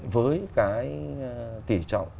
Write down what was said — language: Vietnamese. với cái tỉ trọng